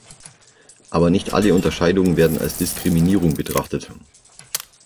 Aber nicht alle Unterscheidungen werden als Diskriminierung betrachtet.